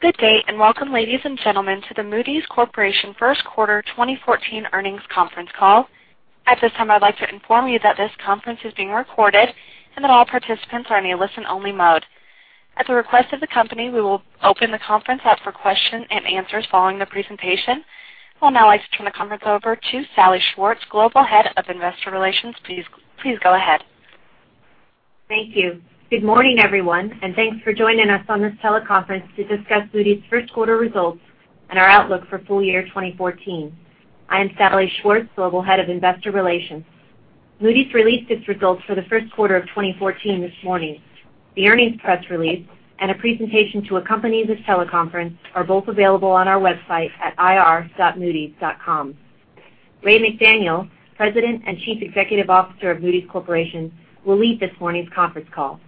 Good day, and welcome, ladies and gentlemen, to the Moody's Corporation first quarter 2014 earnings conference call. At this time, I'd like to inform you that this conference is being recorded, and that all participants are in a listen-only mode. At the request of the company, we will open the conference up for question and answers following the presentation. I would now like to turn the conference over to Salli Schwartz, Global Head of Investor Relations. Please go ahead. Thank you. Good morning, everyone, and thanks for joining us on this teleconference to discuss Moody's first quarter results and our outlook for full year 2014. I am Salli Schwartz, Global Head of Investor Relations. Moody's released its results for the first quarter of 2014 this morning. The earnings press release and a presentation to accompany this teleconference are both available on our website at ir.moodys.com. Raymond McDaniel, President and Chief Executive Officer of Moody's Corporation, will lead this morning's conference call.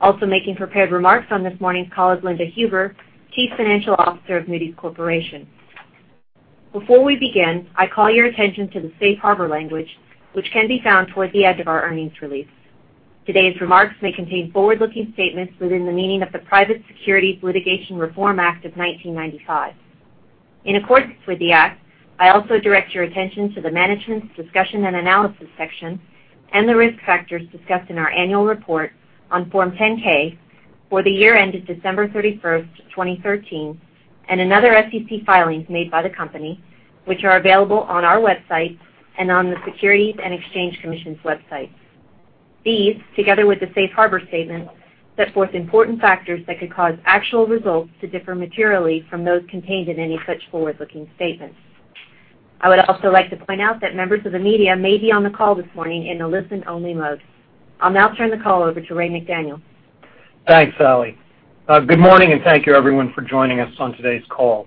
Also making prepared remarks on this morning's call is Linda Huber, Chief Financial Officer of Moody's Corporation. Before we begin, I call your attention to the safe harbor language, which can be found toward the edge of our earnings release. Today's remarks may contain forward-looking statements within the meaning of the Private Securities Litigation Reform Act of 1995. In accordance with the act, I also direct your attention to the Management's Discussion and Analysis section and the risk factors discussed in our annual report on Form 10-K for the year ended December 31st, 2013, and in other SEC filings made by the company, which are available on our website and on the Securities and Exchange Commission's website. These, together with the safe harbor statement, set forth important factors that could cause actual results to differ materially from those contained in any such forward-looking statements. I would also like to point out that members of the media may be on the call this morning in a listen-only mode. I'll now turn the call over to Raymond McDaniel. Thanks, Salli. Good morning, and thank you, everyone, for joining us on today's call.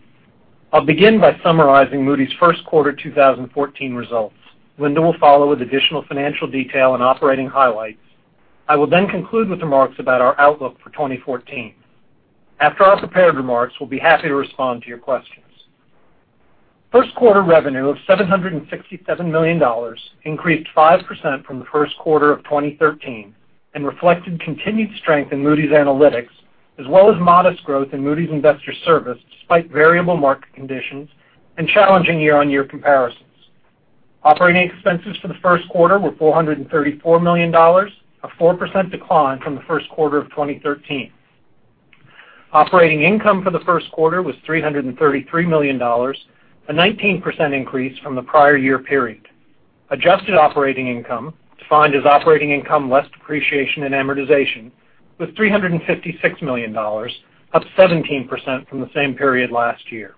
I'll begin by summarizing Moody's first quarter 2014 results. Linda will follow with additional financial detail and operating highlights. I will then conclude with remarks about our outlook for 2014. After our prepared remarks, we'll be happy to respond to your questions. First quarter revenue of $767 million increased 5% from the first quarter of 2013 and reflected continued strength in Moody's Analytics, as well as modest growth in Moody's Investors Service, despite variable market conditions and challenging year-on-year comparisons. Operating expenses for the first quarter were $434 million, a 4% decline from the first quarter of 2013. Operating income for the first quarter was $333 million, a 19% increase from the prior year period. Adjusted operating income, defined as operating income less depreciation and amortization, was $356 million, up 17% from the same period last year.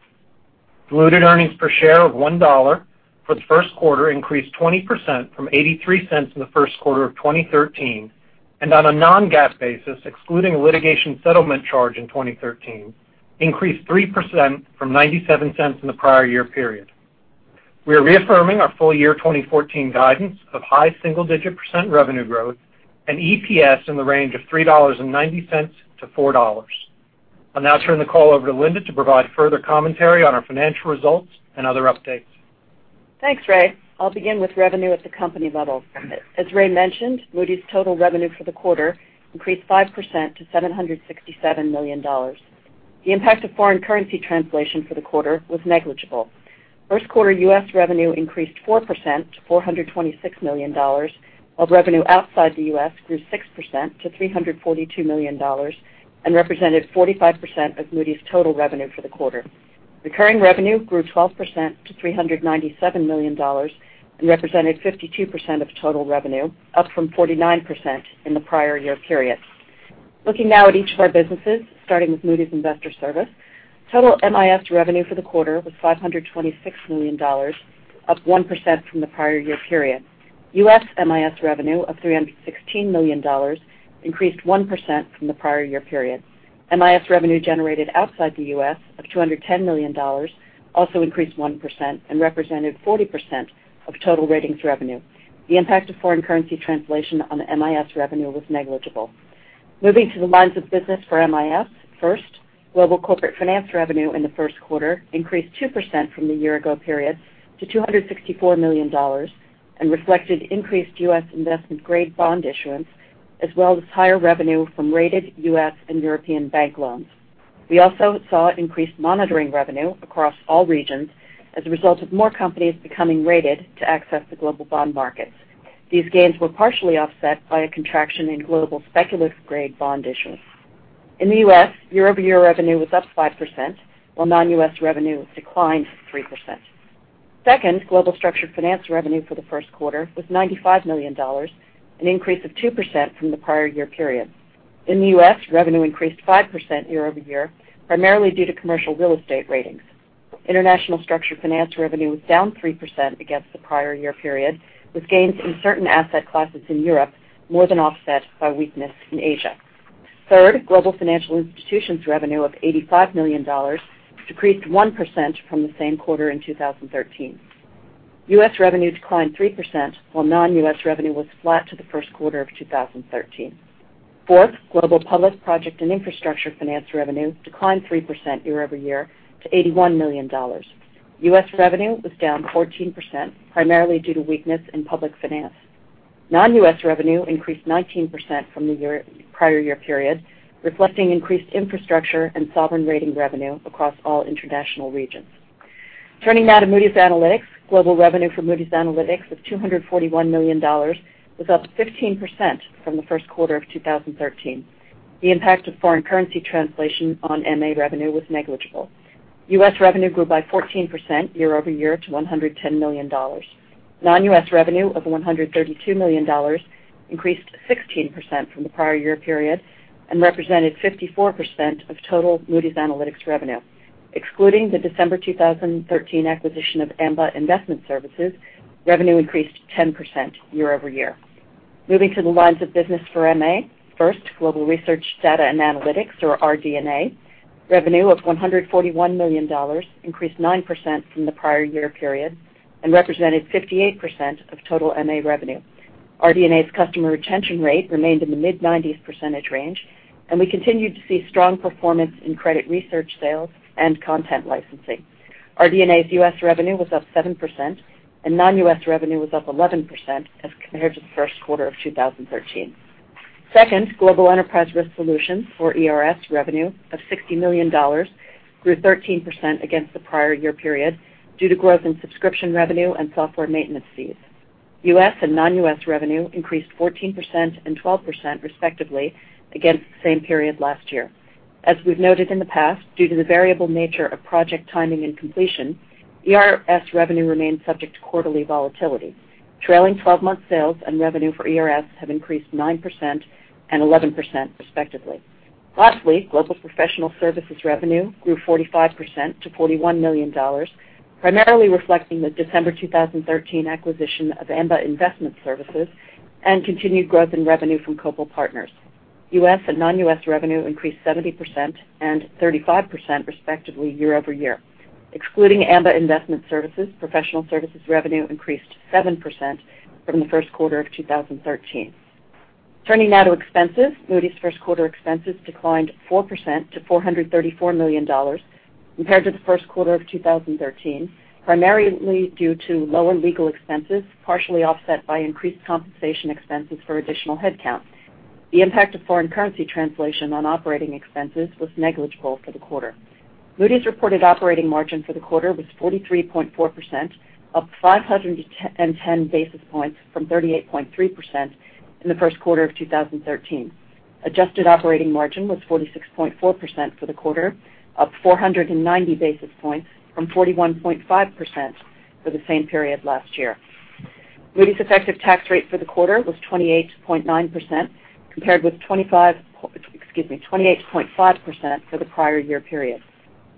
Diluted earnings per share of $1 for the first quarter increased 20% from $0.83 in the first quarter of 2013, and on a non-GAAP basis, excluding a litigation settlement charge in 2013, increased 3% from $0.97 in the prior year period. We are reaffirming our full year 2014 guidance of high single-digit % revenue growth and EPS in the range of $3.90-$4. I'll now turn the call over to Linda to provide further commentary on our financial results and other updates. Thanks, Ray. I'll begin with revenue at the company level. As Ray mentioned, Moody's total revenue for the quarter increased 5% to $767 million. The impact of foreign currency translation for the quarter was negligible. First quarter U.S. revenue increased 4% to $426 million, while revenue outside the U.S. grew 6% to $342 million and represented 45% of Moody's total revenue for the quarter. Recurring revenue grew 12% to $397 million and represented 52% of total revenue, up from 49% in the prior year period. Looking now at each of our businesses, starting with Moody's Investors Service, total MIS revenue for the quarter was $526 million, up 1% from the prior year period. U.S. MIS revenue of $316 million increased 1% from the prior year period. MIS revenue generated outside the U.S. of $210 million also increased 1% and represented 40% of total Ratings revenue. The impact of foreign currency translation on MIS revenue was negligible. Moving to the lines of business for MIS. First, Global Corporate Finance revenue in the first quarter increased 2% from the year ago period to $264 million and reflected increased U.S. investment-grade bond issuance, as well as higher revenue from rated U.S. and European bank loans. We also saw increased monitoring revenue across all regions as a result of more companies becoming rated to access the global bond markets. These gains were partially offset by a contraction in global speculative-grade bond issuance. In the U.S., year-over-year revenue was up 5%, while non-U.S. revenue declined 3%. Second, Global Structured Finance revenue for the first quarter was $95 million, an increase of 2% from the prior year period. In the U.S., revenue increased 5% year-over-year, primarily due to commercial real estate ratings. International Structured Finance revenue was down 3% against the prior year period, with gains in certain asset classes in Europe more than offset by weakness in Asia. Third, Global Financial Institutions revenue of $85 million decreased 1% from the same quarter in 2013. U.S. revenue declined 3%, while non-U.S. revenue was flat to the first quarter of 2013. Fourth, Global Public Project and Infrastructure Finance revenue declined 3% year-over-year to $81 million. U.S. revenue was down 14%, primarily due to weakness in public finance. Non-U.S. revenue increased 19% from the prior year period, reflecting increased infrastructure and sovereign rating revenue across all international regions. Turning now to Moody's Analytics. Global revenue for Moody's Analytics of $241 million was up 15% from the first quarter of 2013. The impact of foreign currency translation on MA revenue was negligible. U.S. revenue grew by 14% year-over-year to $110 million. Non-U.S. revenue of $132 million increased 16% from the prior year period and represented 54% of total Moody's Analytics revenue. Excluding the December 2013 acquisition of Amba Investment Services, revenue increased 10% year-over-year. Moving to the lines of business for MA. First, global research data and analytics or RD&A. Revenue of $141 million increased 9% from the prior year period and represented 58% of total MA revenue. RD&A's customer retention rate remained in the mid-90s percentage range, and we continued to see strong performance in credit research sales and content licensing. RD&A's U.S. revenue was up 7%, and non-U.S. revenue was up 11% as compared to the first quarter of 2013. Second, global enterprise risk solutions or ERS revenue of $60 million grew 13% against the prior year period due to growth in subscription revenue and software maintenance fees. U.S. and non-U.S. revenue increased 14% and 12%, respectively, against the same period last year. As we've noted in the past, due to the variable nature of project timing and completion, ERS revenue remains subject to quarterly volatility. Trailing 12-month sales and revenue for ERS have increased 9% and 11%, respectively. Lastly, global professional services revenue grew 45% to $41 million, primarily reflecting the December 2013 acquisition of Amba Investment Services and continued growth in revenue from Copal Partners. U.S. and non-U.S. revenue increased 70% and 35%, respectively, year-over-year. Excluding Amba Investment Services, professional services revenue increased 7% from the first quarter of 2013. Turning now to expenses. Moody's first quarter expenses declined 4% to $434 million compared to the first quarter of 2013, primarily due to lower legal expenses, partially offset by increased compensation expenses for additional headcount. The impact of foreign currency translation on operating expenses was negligible for the quarter. Moody's reported operating margin for the quarter was 43.4%, up 510 basis points from 38.3% in the first quarter of 2013. Adjusted operating margin was 46.4% for the quarter, up 490 basis points from 41.5% for the same period last year. Moody's effective tax rate for the quarter was 28.9%, compared with 28.5% for the prior year period.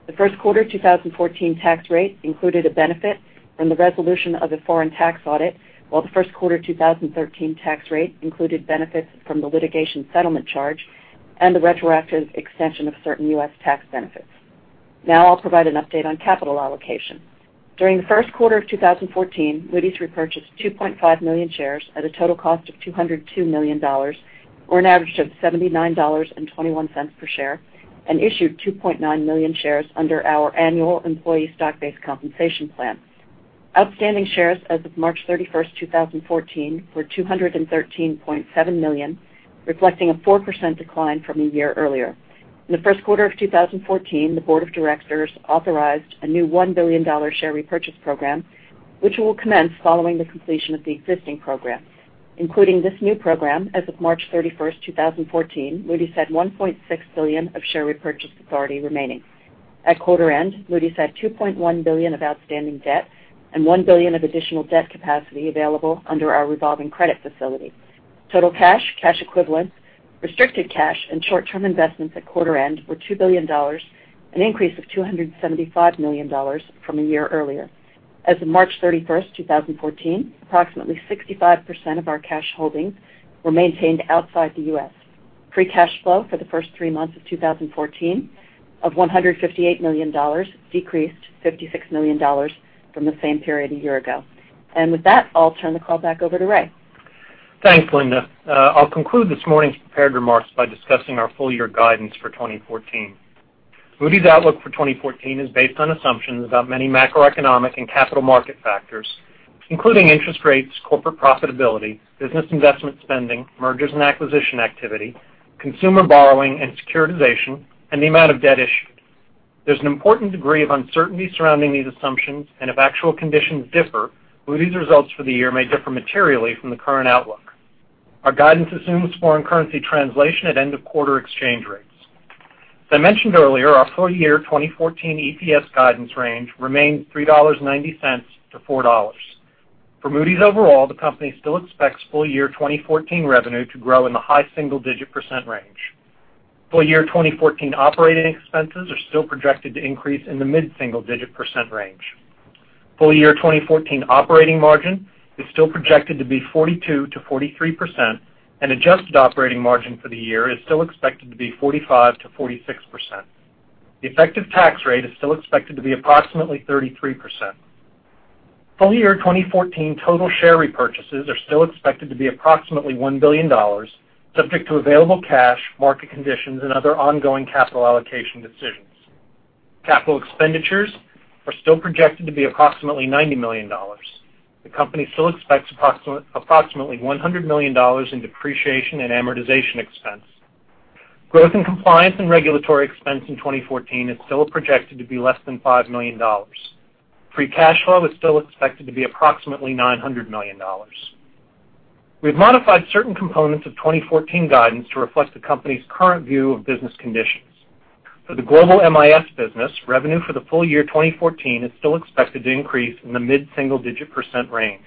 The first quarter 2014 tax rate included a benefit from the resolution of a foreign tax audit, while the first quarter 2013 tax rate included benefits from the litigation settlement charge and the retroactive extension of certain U.S. tax benefits. I'll provide an update on capital allocation. During the first quarter of 2014, Moody's repurchased 2.5 million shares at a total cost of $202 million, or an average of $79.21 per share, and issued 2.9 million shares under our annual employee stock-based compensation plan. Outstanding shares as of March 31st, 2014, were 213.7 million, reflecting a 4% decline from a year earlier. In the first quarter of 2014, the board of directors authorized a new $1 billion share repurchase program, which will commence following the completion of the existing program. Including this new program, as of March 31st, 2014, Moody's had $1.6 billion of share repurchase authority remaining. At quarter end, Moody's had $2.1 billion of outstanding debt and $1 billion of additional debt capacity available under our revolving credit facility. Total cash equivalents, restricted cash, and short-term investments at quarter end were $2 billion, an increase of $275 million from a year earlier. As of March 31st, 2014, approximately 65% of our cash holdings were maintained outside the U.S. Free cash flow for the first three months of 2014 of $158 million decreased $56 million from the same period a year ago. With that, I'll turn the call back over to Ray. Thanks, Linda. I'll conclude this morning's prepared remarks by discussing our full-year guidance for 2014. Moody's outlook for 2014 is based on assumptions about many macroeconomic and capital market factors, including interest rates, corporate profitability, business investment spending, mergers and acquisition activity, consumer borrowing and securitization, and the amount of debt issued. There's an important degree of uncertainty surrounding these assumptions, and if actual conditions differ, Moody's results for the year may differ materially from the current outlook. Our guidance assumes foreign currency translation at end-of-quarter exchange rates. As I mentioned earlier, our full-year 2014 EPS guidance range remains $3.90 to $4. For Moody's overall, the company still expects full-year 2014 revenue to grow in the high single-digit % range. Full-year 2014 operating expenses are still projected to increase in the mid-single digit % range. Full-year 2014 operating margin is still projected to be 42%-43%, and adjusted operating margin for the year is still expected to be 45%-46%. The effective tax rate is still expected to be approximately 33%. Full-year 2014 total share repurchases are still expected to be approximately $1 billion, subject to available cash, market conditions, and other ongoing capital allocation decisions. Capital expenditures are still projected to be approximately $90 million. The company still expects approximately $100 million in depreciation and amortization expense. Growth in compliance and regulatory expense in 2014 is still projected to be less than $5 million. Free cash flow is still expected to be approximately $900 million. We've modified certain components of 2014 guidance to reflect the company's current view of business conditions. For the global MIS business, revenue for the full year 2014 is still expected to increase in the mid-single digit % range.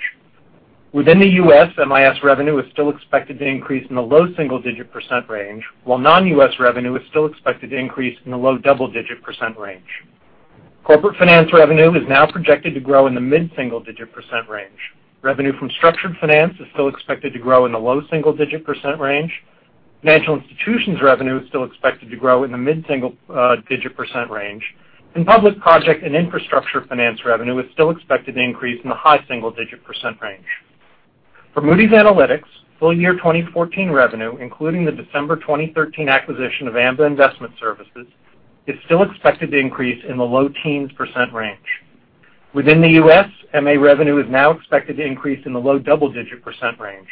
Within the U.S., MIS revenue is still expected to increase in the low single-digit % range, while non-U.S. revenue is still expected to increase in the low double-digit % range. Corporate finance revenue is now projected to grow in the mid-single digit % range. Revenue from structured finance is still expected to grow in the low single-digit % range. Financial Institutions revenue is still expected to grow in the mid-single digit % range. Public Project and Infrastructure Finance revenue is still expected to increase in the high single-digit % range. For Moody's Analytics, full-year 2014 revenue, including the December 2013 acquisition of Amba Investment Services, is still expected to increase in the low teens % range. Within the U.S., MA revenue is now expected to increase in the low double-digit % range.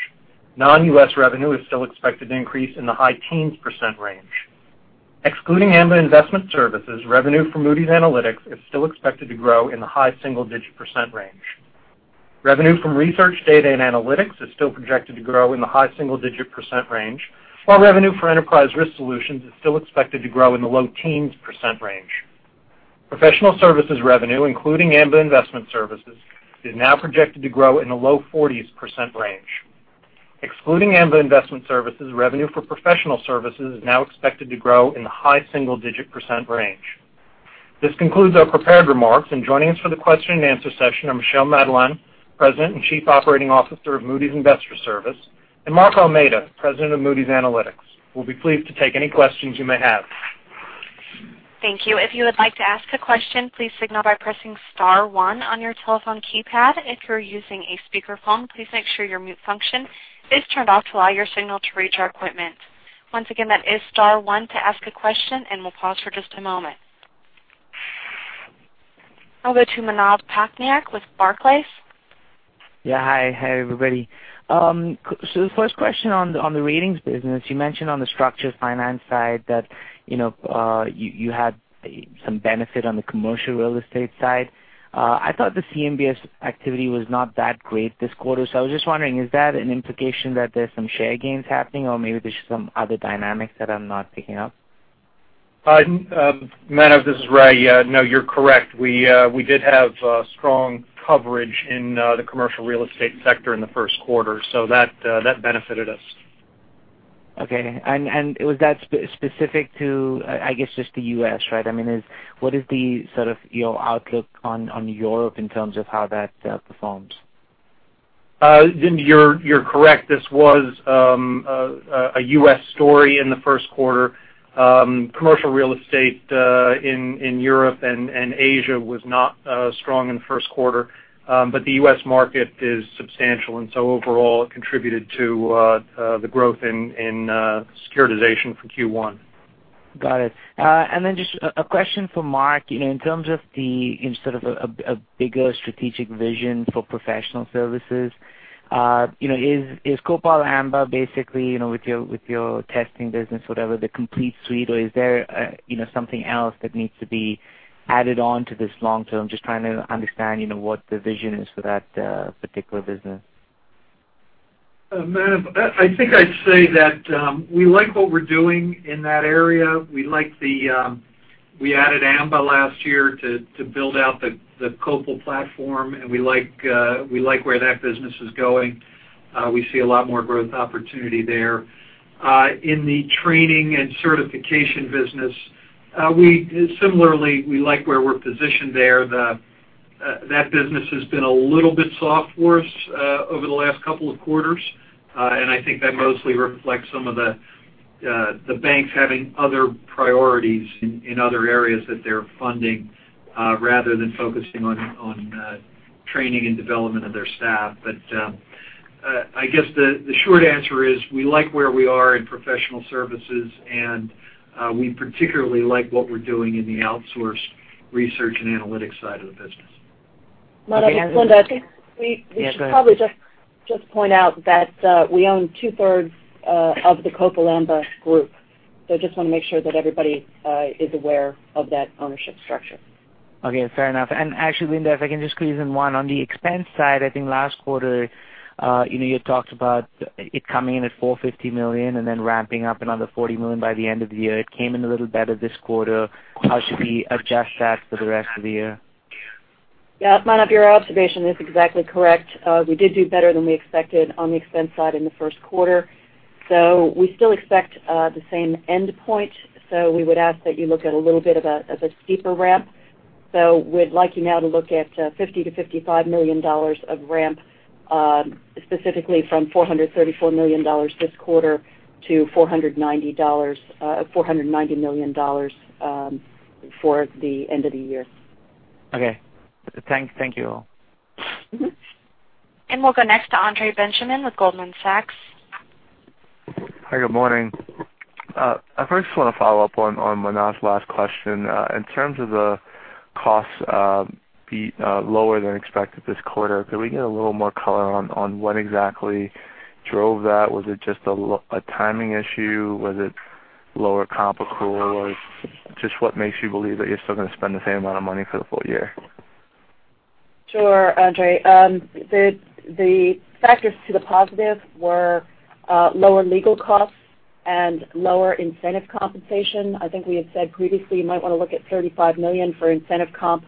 Non-U.S. revenue is still expected to increase in the high teens % range. Excluding Amba Investment Services, revenue from Moody's Analytics is still expected to grow in the high single-digit % range. Revenue from research data and analytics is still projected to grow in the high single-digit % range, while revenue for Enterprise Risk Solutions is still expected to grow in the low teens % range. Professional services revenue, including Amba Investment Services, is now projected to grow in the low 40s % range. Excluding Amba Investment Services, revenue for professional services is now expected to grow in the high single-digit % range. This concludes our prepared remarks. Joining us for the question and answer session are Michel Madelain, President and Chief Operating Officer of Moody's Investors Service, and Mark Almeida, President of Moody's Analytics. We'll be pleased to take any questions you may have. Thank you. If you would like to ask a question, please signal by pressing star one on your telephone keypad. If you're using a speakerphone, please make sure your mute function is turned off to allow your signal to reach our equipment. Once again, that is star one to ask a question. We'll pause for just a moment. I'll go to Manav Patnaik with Barclays. Yeah. Hi. Hi, everybody. The first question on the ratings business, you mentioned on the Structured Finance side that you had some benefit on the commercial real estate side. I thought the CMBS activity was not that great this quarter. I was just wondering, is that an implication that there's some share gains happening or maybe there's some other dynamics that I'm not picking up? Manav, this is Ray. You're correct. We did have strong coverage in the commercial real estate sector in the first quarter, that benefited us. Okay. Was that specific to, I guess, just the U.S., right? What is your outlook on Europe in terms of how that performs? You're correct. This was a U.S. story in the first quarter. Commercial real estate in Europe and Asia was not strong in the first quarter. The U.S. market is substantial, overall, it contributed to the growth in securitization for Q1. Got it. Just a question for Mark. In terms of a bigger strategic vision for professional services, is Copal Amba basically with your testing business, whatever the complete suite, is there something else that needs to be added on to this long term? Just trying to understand what the vision is for that particular business. Manav, I think I'd say that we like what we're doing in that area. We added Amba last year to build out the Copal platform, and we like where that business is going. We see a lot more growth opportunity there. In the training and certification business, similarly, we like where we're positioned there. That business has been a little bit soft for us over the last couple of quarters. I think that mostly reflects some of the banks having other priorities in other areas that they're funding rather than focusing on training and development of their staff. I guess the short answer is we like where we are in professional services, and we particularly like what we're doing in the outsource research and analytics side of the business. Manav, it's Linda. I think we should probably just point out that we own two-thirds of the Copal Amba group. I just want to make sure that everybody is aware of that ownership structure. Okay. Fair enough. Actually, Linda, if I can just squeeze in one. On the expense side, I think last quarter, you had talked about it coming in at $450 million and then ramping up another $40 million by the end of the year. It came in a little better this quarter. How should we adjust that for the rest of the year? Yeah. Manav, your observation is exactly correct. We did do better than we expected on the expense side in the first quarter. We still expect the same endpoint. We would ask that you look at a little bit of a steeper ramp. We'd like you now to look at $50 million-$55 million of ramp, specifically from $434 million this quarter to $490 million for the end of the year. Okay. Thank you all. We'll go next to Andre Benjamin with Goldman Sachs. Hi, good morning. I first want to follow up on Manav's last question. In terms of the costs being lower than expected this quarter, could we get a little more color on what exactly drove that? Was it just a timing issue? Was it lower comp accrual? What makes you believe that you're still going to spend the same amount of money for the full year? Sure, Andre. The factors to the positive were lower legal costs and lower incentive compensation. I think we had said previously you might want to look at $35 million for incentive comp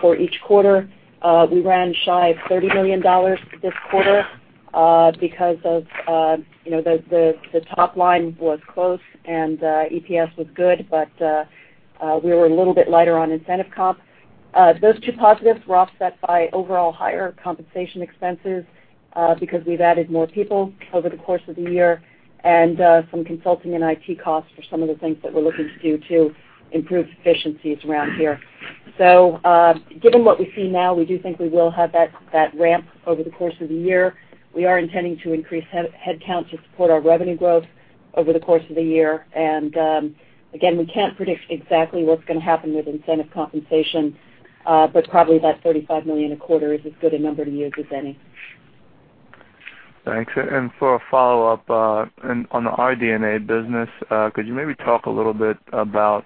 for each quarter. We ran shy of $30 million this quarter because the top line was close, and EPS was good, but we were a little bit lighter on incentive comp. Those two positives were offset by overall higher compensation expenses because we've added more people over the course of the year and some consulting and IT costs for some of the things that we're looking to do to improve efficiencies around here. Given what we see now, we do think we will have that ramp over the course of the year. We are intending to increase headcount to support our revenue growth over the course of the year. Again, we can't predict exactly what's going to happen with incentive compensation, but probably that $35 million a quarter is as good a number to use as any. Thanks. For a follow-up on the RD&A business, could you maybe talk a little bit about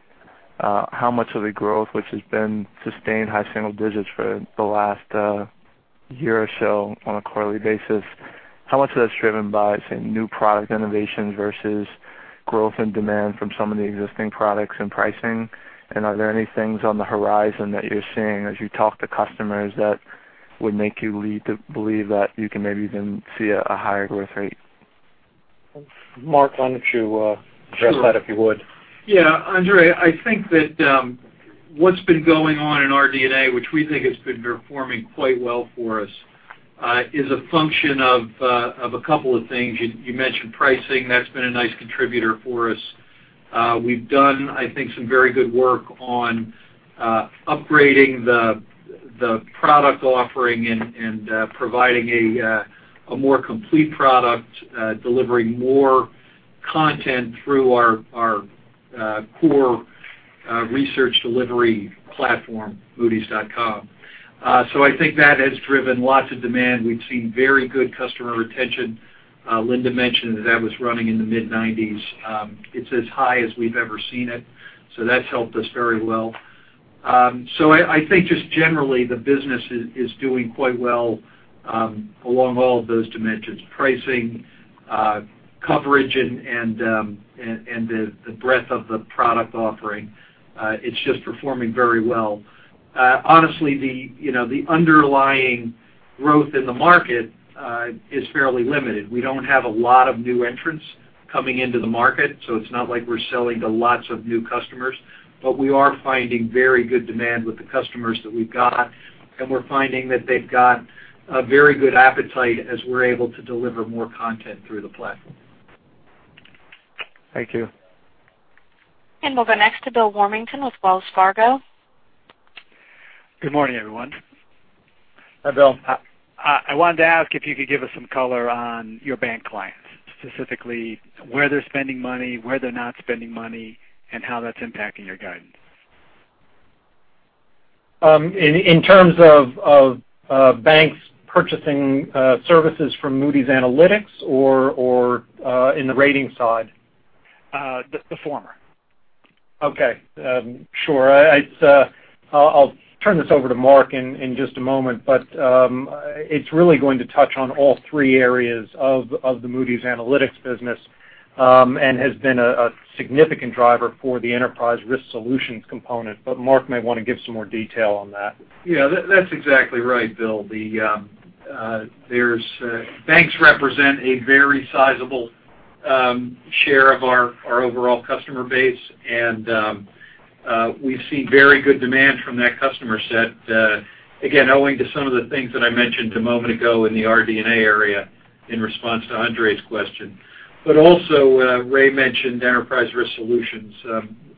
how much of the growth, which has been sustained high single digits for the last year or so on a quarterly basis, how much of that's driven by, say, new product innovations versus growth and demand from some of the existing products and pricing? Are there any things on the horizon that you're seeing as you talk to customers that would make you believe that you can maybe even see a higher growth rate? Mark, why don't you address that if you would? Sure. Yeah, Andre, I think that what's been going on in RD&A, which we think has been performing quite well for us, is a function of a couple of things. You mentioned pricing. That's been a nice contributor for us. We've done, I think, some very good work on upgrading the product offering and providing a more complete product, delivering more content through our core research delivery platform, moodys.com. I think that has driven lots of demand. We've seen very good customer retention. Linda mentioned that that was running in the mid-90s. It's as high as we've ever seen it, so that's helped us very well. I think just generally the business is doing quite well along all of those dimensions. Pricing, coverage, and the breadth of the product offering. It's just performing very well. Honestly, the underlying growth in the market is fairly limited. We don't have a lot of new entrants coming into the market, it's not like we're selling to lots of new customers. We are finding very good demand with the customers that we've got, and we're finding that they've got a very good appetite as we're able to deliver more content through the platform. Thank you. We'll go next to Bill Warmington with Wells Fargo. Good morning, everyone. Hi, Bill. I wanted to ask if you could give us some color on your bank clients, specifically where they're spending money, where they're not spending money, and how that's impacting your guidance. In terms of banks purchasing services from Moody's Analytics or in the ratings side? Just the former. Okay. Sure. I'll turn this over to Mark in just a moment, it's really going to touch on all three areas of the Moody's Analytics business and has been a significant driver for the Enterprise Risk Solutions component. Mark may want to give some more detail on that. Yeah, that's exactly right, Bill. Banks represent a very sizable share of our overall customer base, and we've seen very good demand from that customer set, again, owing to some of the things that I mentioned a moment ago in the RD&A area in response to Andre's question. Also, Ray mentioned Enterprise Risk Solutions.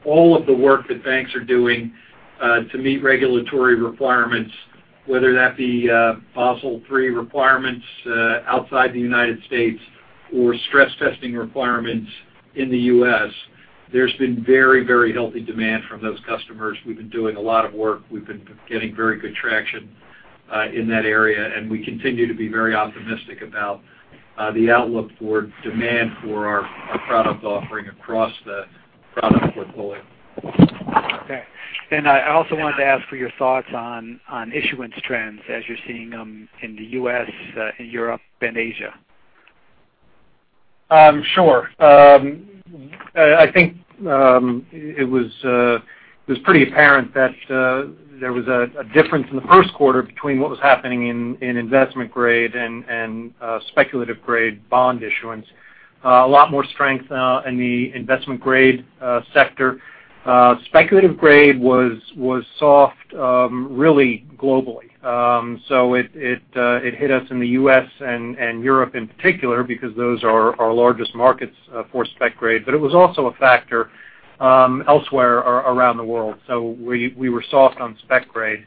All of the work that banks are doing to meet regulatory requirements, whether that be Basel III requirements outside the U.S. or stress testing requirements in the U.S., there's been very healthy demand from those customers. We've been doing a lot of work. We've been getting very good traction in that area, and we continue to be very optimistic about the outlook for demand for our product offering across the product portfolio. Okay. I also wanted to ask for your thoughts on issuance trends as you're seeing them in the U.S., in Europe, and Asia. Sure. I think it was pretty apparent that there was a difference in the first quarter between what was happening in investment-grade and speculative-grade bond issuance. A lot more strength in the investment-grade sector. Speculative grade was soft really globally. It hit us in the U.S. and Europe in particular because those are our largest markets for spec grade. It was also a factor elsewhere around the world. We were soft on spec grade.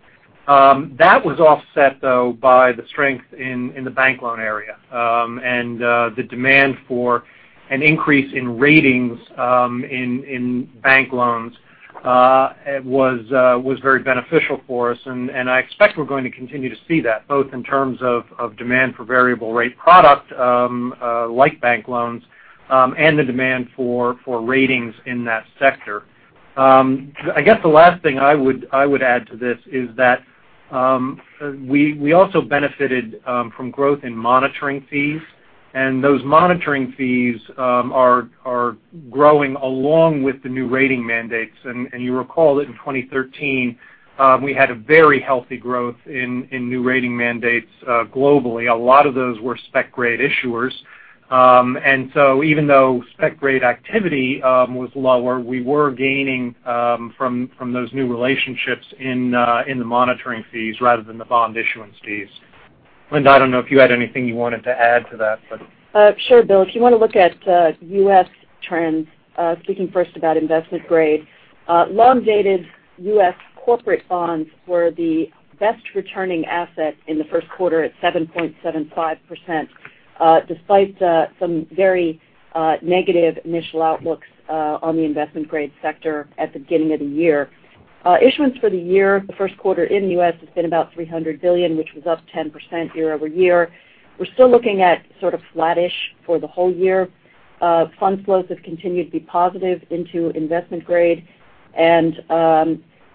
That was offset, though, by the strength in the bank loan area. The demand for an increase in ratings in bank loans was very beneficial for us, and I expect we're going to continue to see that, both in terms of demand for variable rate product like bank loans, and the demand for ratings in that sector. I guess the last thing I would add to this is that we also benefited from growth in monitoring fees, and those monitoring fees are growing along with the new rating mandates. You recall that in 2013, we had a very healthy growth in new rating mandates globally. A lot of those were spec grade issuers. Even though spec grade activity was lower, we were gaining from those new relationships in the monitoring fees rather than the bond issuance fees. Linda, I don't know if you had anything you wanted to add to that. Sure, Bill. If you want to look at U.S. trends, speaking first about investment grade, long-dated U.S. corporate bonds were the best returning asset in the first quarter at 7.75%, despite some very negative initial outlooks on the investment grade sector at the beginning of the year. Issuance for the year, the first quarter in the U.S. has been about $300 billion, which was up 10% year-over-year. We're still looking at sort of flat-ish for the whole year. Fund flows have continued to be positive into investment grade,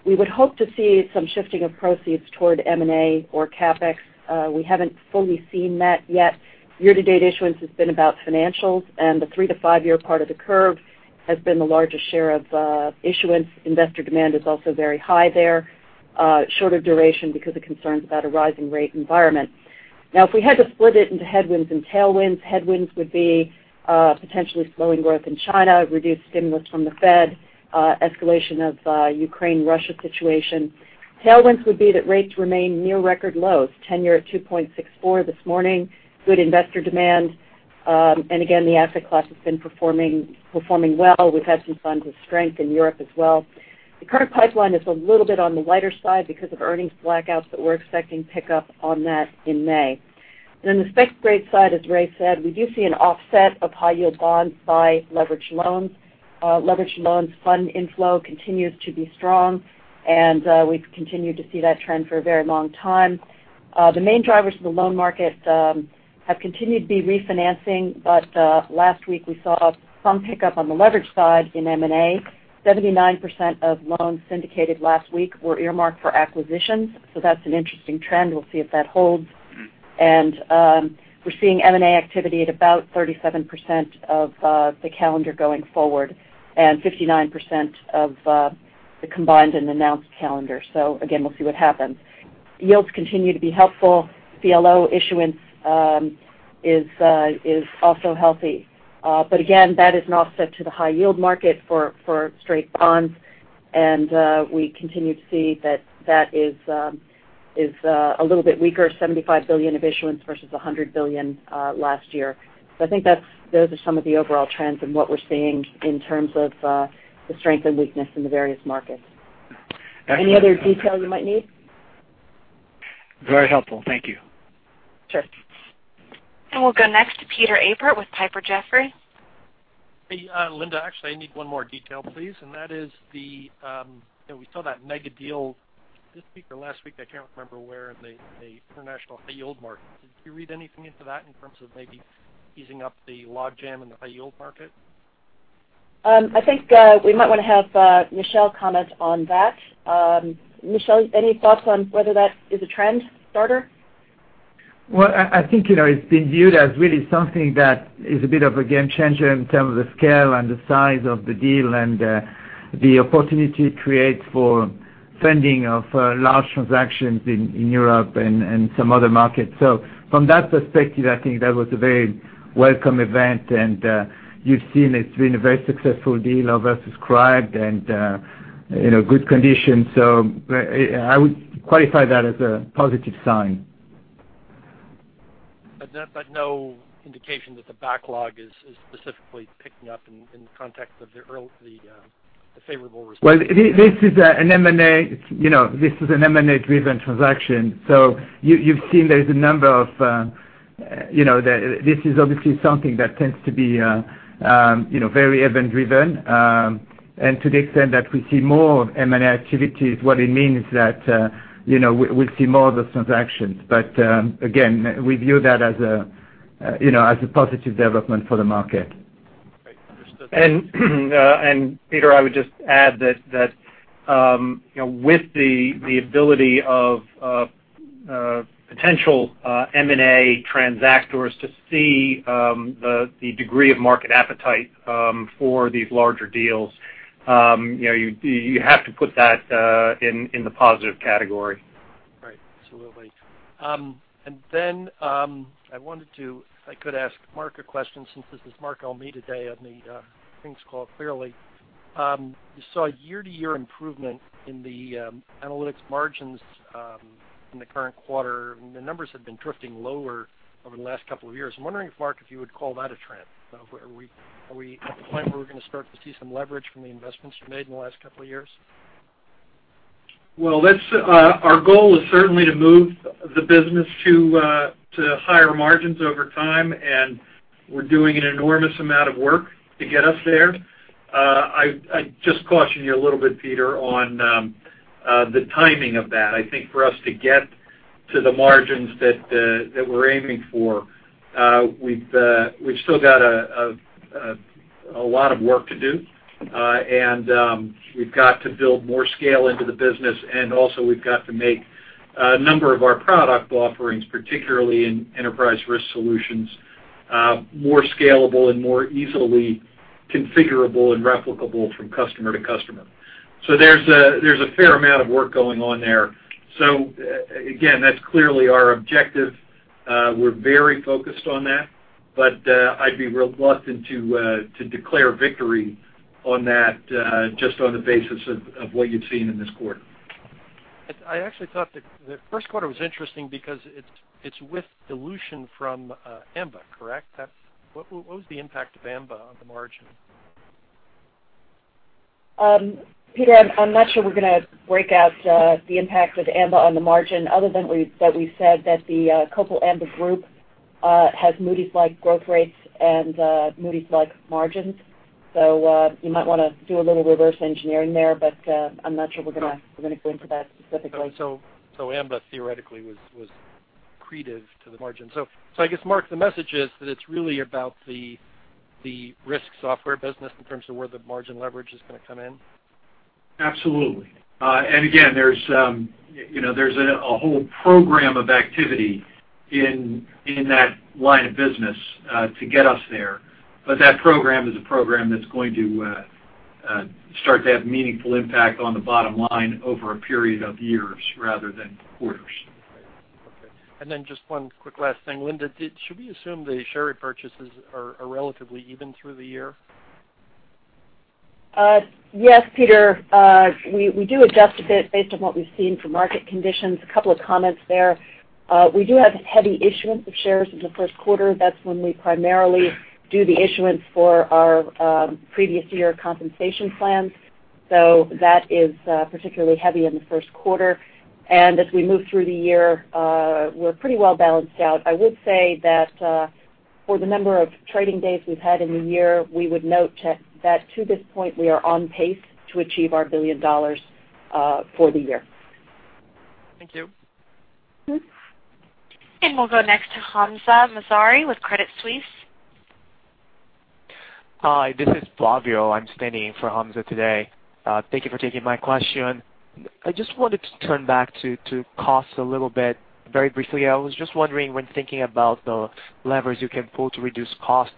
we would hope to see some shifting of proceeds toward M&A or CapEx. We haven't fully seen that yet. Year-to-date issuance has been about financials, the three to five-year part of the curve has been the largest share of issuance. Investor demand is also very high there. Shorter duration because of concerns about a rising rate environment. If we had to split it into headwinds and tailwinds, headwinds would be potentially slowing growth in China, reduced stimulus from the Fed, escalation of Ukraine-Russia situation. Tailwinds would be that rates remain near record lows, 10-year at 2.64% this morning, good investor demand, again, the asset class has been performing well. We've had some signs of strength in Europe as well. The current pipeline is a little bit on the lighter side because of earnings blackouts, we're expecting pick up on that in May. The spec grade side, as Ray said, we do see an offset of high yield bonds by leveraged loans. Leveraged loans fund inflow continues to be strong, we've continued to see that trend for a very long time. The main drivers of the loan market have continued to be refinancing, last week we saw some pick up on the leverage side in M&A. 79% of loans syndicated last week were earmarked for acquisitions. That's an interesting trend. We'll see if that holds. We're seeing M&A activity at about 37% of the calendar going forward and 59% of the combined and announced calendar. Again, we'll see what happens. Yields continue to be helpful. CLO issuance is also healthy. Again, that is an offset to the high yield market for straight bonds, we continue to see that is a little bit weaker, $75 billion of issuance versus $100 billion last year. I think those are some of the overall trends in what we're seeing in terms of the strength and weakness in the various markets. Any other detail you might need? Very helpful. Thank you. Sure. We'll go next to Peter Appert with Piper Jaffray. Hey, Linda, actually, I need one more detail, please, and that is we saw that mega deal this week or last week, I can't remember where, in the international high yield market. Did you read anything into that in terms of maybe easing up the logjam in the high yield market? I think we might want to have Michel comment on that. Michel, any thoughts on whether that is a trend starter? I think it's been viewed as really something that is a bit of a game changer in terms of the scale and the size of the deal and the opportunity it creates for funding of large transactions in Europe and some other markets. From that perspective, I think that was a very welcome event, and you've seen it's been a very successful deal, oversubscribed and good conditions. I would qualify that as a positive sign. No indication that the backlog is specifically picking up in the context of the favorable response? This is an M&A-driven transaction. You've seen there is a number of. This is obviously something that tends to be very event-driven. To the extent that we see more M&A activities, what it means is that we'll see more of those transactions. Again, we view that as a positive development for the market. Great. Understood. Peter, I would just add that with the ability of potential M&A transactors to see the degree of market appetite for these larger deals, you have to put that in the positive category. Right. Absolutely. Then I wanted to, if I could ask Mark a question, since this is Mark Almeida on the earnings call clearly. You saw year-to-year improvement in the Analytics margins in the current quarter. The numbers have been drifting lower over the last couple of years. I'm wondering if, Mark, if you would call that a trend. Are we at the point where we're going to start to see some leverage from the investments you made in the last couple of years? Well, our goal is certainly to move the business to higher margins over time, and we're doing an enormous amount of work to get us there. I'd just caution you a little bit, Peter, on the timing of that. I think for us to get to the margins that we're aiming for, we've still got a lot of work to do. We've got to build more scale into the business, and also we've got to make a number of our product offerings, particularly in Enterprise Risk Solutions, more scalable and more easily configurable and replicable from customer to customer. There's a fair amount of work going on there. Again, that's clearly our objective. We're very focused on that, I'd be reluctant to declare victory on that just on the basis of what you've seen in this quarter. I actually thought the first quarter was interesting because it's with dilution from Amba, correct? What was the impact of Amba on the margin? Peter, I'm not sure we're going to break out the impact of Amba on the margin other than that we said that the Copal Amba group has Moody's-like growth rates and Moody's-like margins. You might want to do a little reverse engineering there, I'm not sure we're going to go into that specifically. Amba theoretically was accretive to the margin. I guess, Mark, the message is that it's really about the risk software business in terms of where the margin leverage is going to come in? Absolutely. Again, there's a whole program of activity in that line of business to get us there. That program is a program that's going to start to have meaningful impact on the bottom line over a period of years rather than quarters. Okay. Just one quick last thing. Linda, should we assume the share repurchases are relatively even through the year? Yes, Peter. We do adjust a bit based on what we've seen for market conditions. A couple of comments there. We do have heavy issuance of shares in the first quarter. That's when we primarily do the issuance for our previous year compensation plans. That is particularly heavy in the first quarter. As we move through the year, we're pretty well balanced out. I would say that for the number of trading days we've had in the year, we would note that to this point, we are on pace to achieve our $1 billion for the year. Thank you. We'll go next to Hamza Mazari with Bank of America Merrill Lynch. Hi, this is Flavio. I'm standing in for Hamza today. Thank you for taking my question. I just wanted to turn back to cost a little bit. Very briefly, I was just wondering when thinking about the levers you can pull to reduce cost,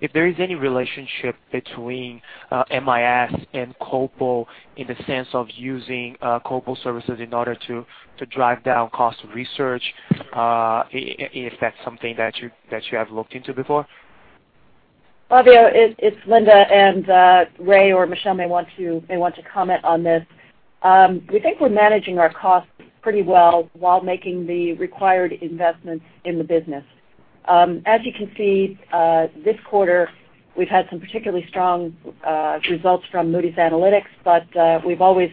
if there is any relationship between MIS and Copal in the sense of using Copal services in order to drive down cost of research, if that's something that you have looked into before. Flavio, it's Linda, and Ray or Michel may want to comment on this. We think we're managing our costs pretty well while making the required investments in the business. As you can see, this quarter, we've had some particularly strong results from Moody's Analytics, but we've always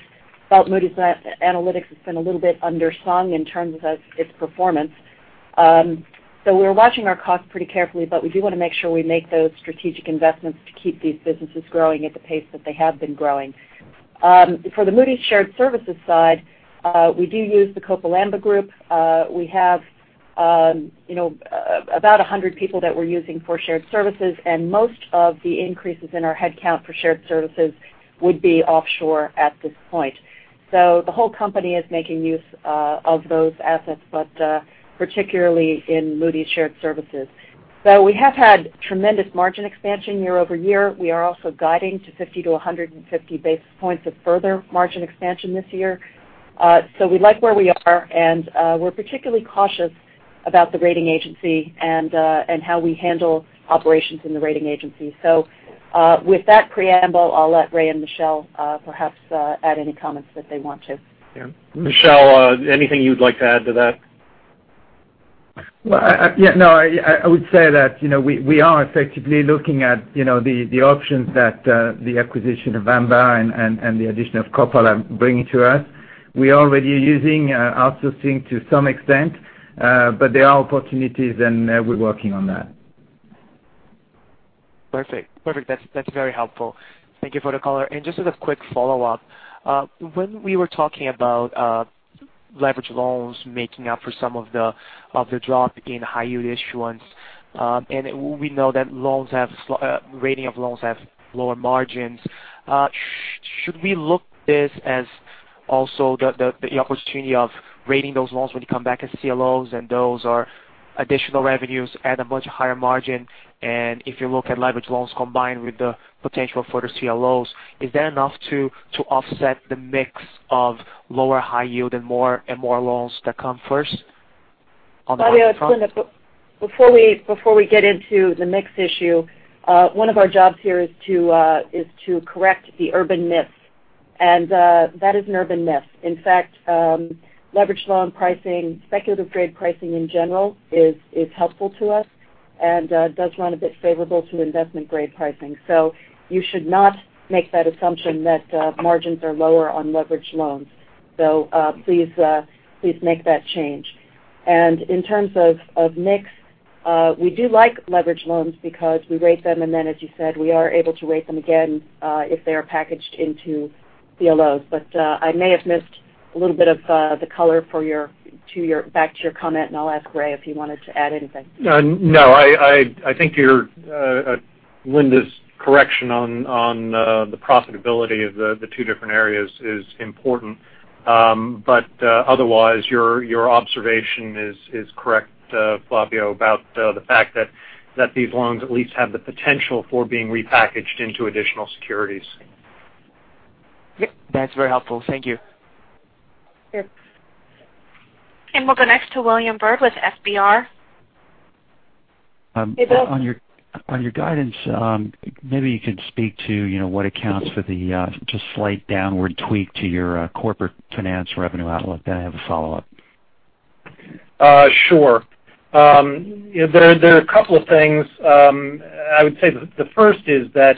felt Moody's Analytics has been a little bit undersung in terms of its performance. We're watching our costs pretty carefully, but we do want to make sure we make those strategic investments to keep these businesses growing at the pace that they have been growing. For the Moody's Shared Services side, we do use the Copal Amba group. We have about 100 people that we're using for shared services, and most of the increases in our headcount for shared services would be offshore at this point. The whole company is making use of those assets, but particularly in Moody's Shared Services. We have had tremendous margin expansion year-over-year. We are also guiding to 50 to 150 basis points of further margin expansion this year. We like where we are, and we're particularly cautious about the rating agency and how we handle operations in the rating agency. With that preamble, I'll let Ray and Michel perhaps add any comments that they want to. Yeah. Michel, anything you'd like to add to that? Well, no, I would say that we are effectively looking at the options that the acquisition of Amba and the addition of Copal are bringing to us. We're already using outsourcing to some extent, but there are opportunities, and we're working on that. Perfect. That's very helpful. Thank you for the color. Just as a quick follow-up, when we were talking about leverage loans making up for some of the drop in high-yield issuance, and we know that rating of loans have lower margins. Should we look this as also the opportunity of rating those loans when you come back as CLOs and those are additional revenues at a much higher margin and if you look at leverage loans combined with the potential for the CLOs, is that enough to offset the mix of lower high yield and more loans that come first on the front? Flavio, before we get into the mix issue, one of our jobs here is to correct the urban myth, and that is an urban myth. In fact, leverage loan pricing, speculative grade pricing in general is helpful to us. Does run a bit favorable to investment grade pricing. You should not make that assumption that margins are lower on leveraged loans. Please make that change. In terms of mix, we do like leverage loans because we rate them and then, as you said, we are able to rate them again if they are packaged into CLOs. I may have missed a little bit of the color back to your comment, and I'll ask Ray if he wanted to add anything. No, I think Linda's correction on the profitability of the two different areas is important. Otherwise, your observation is correct, Flavio, about the fact that these loans at least have the potential for being repackaged into additional securities. That's very helpful. Thank you. Sure. We'll go next to William Bird with FBR. Hey, Bill. On your guidance, maybe you could speak to what accounts for the just slight downward tweak to your corporate finance revenue outlook. I have a follow-up. Sure. There are a couple of things. I would say the first is that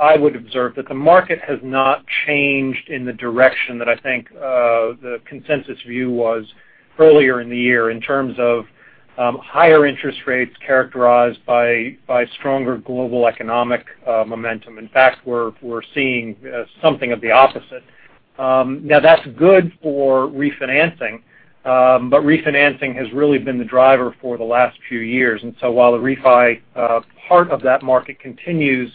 I would observe that the market has not changed in the direction that I think the consensus view was earlier in the year in terms of higher interest rates characterized by stronger global economic momentum. In fact, we're seeing something of the opposite. Now that's good for refinancing. Refinancing has really been the driver for the last few years, while the refi part of that market continues,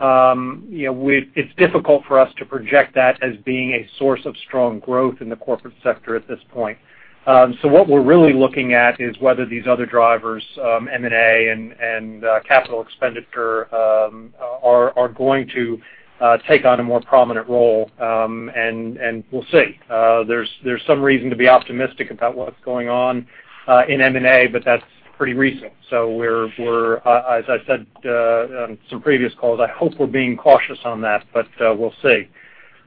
it's difficult for us to project that as being a source of strong growth in the corporate sector at this point. What we're really looking at is whether these other drivers, M&A and capital expenditure are going to take on a more prominent role, and we'll see. There's some reason to be optimistic about what's going on in M&A, that's pretty recent. As I said on some previous calls, I hope we're being cautious on that, we'll see.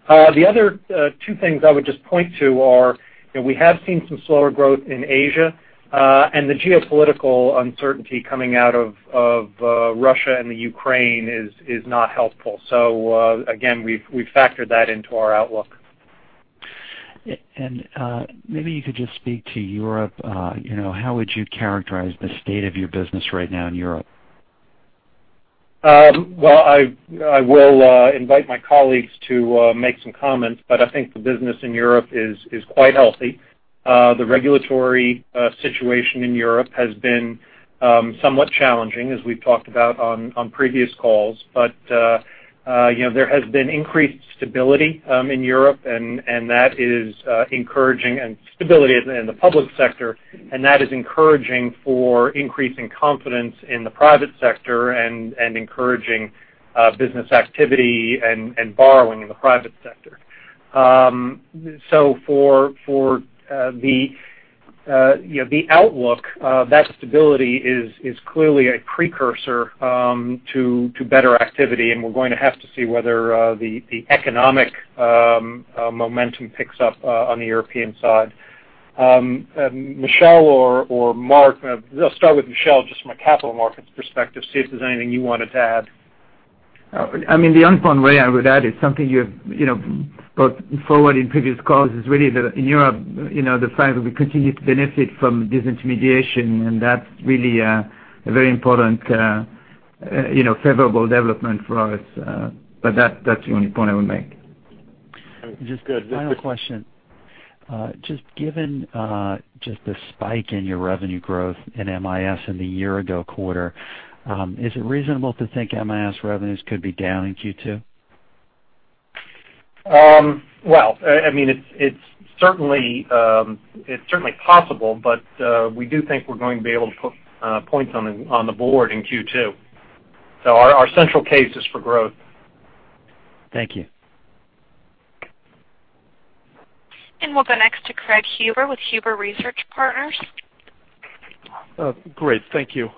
The other two things I would just point to are we have seen some slower growth in Asia, the geopolitical uncertainty coming out of Russia and Ukraine is not helpful. Again, we've factored that into our outlook. Maybe you could just speak to Europe. How would you characterize the state of your business right now in Europe? I will invite my colleagues to make some comments, I think the business in Europe is quite healthy. The regulatory situation in Europe has been somewhat challenging, as we've talked about on previous calls. There has been increased stability in Europe, that is encouraging. Stability in the public sector, that is encouraging for increasing confidence in the private sector and encouraging business activity and borrowing in the private sector. For the outlook, that stability is clearly a precursor to better activity, we're going to have to see whether the economic momentum picks up on the European side. Michel or Mark. I'll start with Michel, just from a capital markets perspective, see if there's anything you wanted to add. The only point I would add is something you've brought forward in previous calls is really that in Europe, the fact that we continue to benefit from disintermediation, that's really a very important favorable development for us. That's the only point I would make. Just final question. Just given the spike in your revenue growth in MIS in the year-ago quarter, is it reasonable to think MIS revenues could be down in Q2? Well, it's certainly possible, but we do think we're going to be able to put points on the board in Q2. Our central case is for growth. Thank you. We'll go next to Craig Huber with Huber Research Partners. Great. Thank you.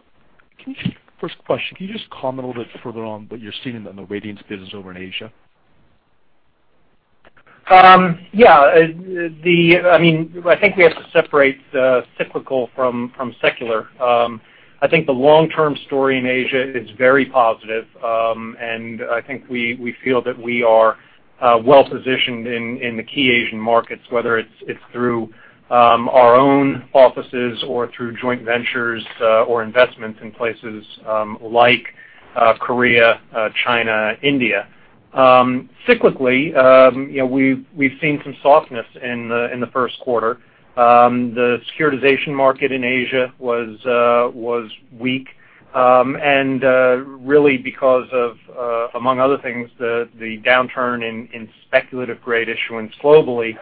First question, can you just comment a little bit further on what you're seeing in the ratings business over in Asia? Yeah. I think we have to separate cyclical from secular. I think the long-term story in Asia is very positive. I think we feel that we are well positioned in the key Asian markets, whether it's through our own offices or through joint ventures or investments in places like Korea, China, India. Cyclically, we've seen some softness in the first quarter. The securitization market in Asia was weak. Really because of among other things, the downturn in speculative grade issuance globally.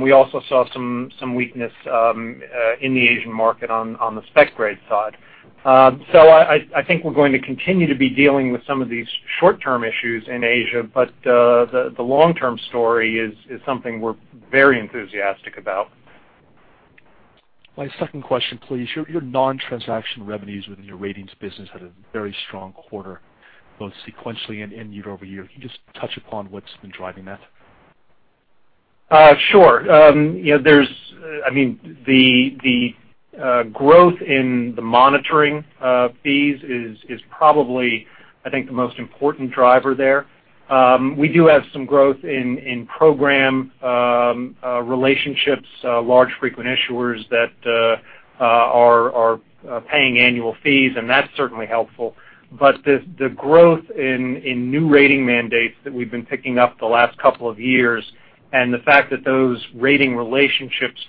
We also saw some weakness in the Asian market on the spec grade side. I think we're going to continue to be dealing with some of these short-term issues in Asia. The long-term story is something we're very enthusiastic about. My second question, please. Your non-transaction revenues within your ratings business had a very strong quarter. Both sequentially and year-over-year. Can you just touch upon what's been driving that? Sure. The growth in the monitoring fees is probably, I think, the most important driver there. We do have some growth in program relationships, large frequent issuers that are paying annual fees, and that's certainly helpful. The growth in new rating mandates that we've been picking up the last couple of years, and the fact that those rating relationships